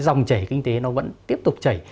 dòng chảy kinh tế nó vẫn tiếp tục chảy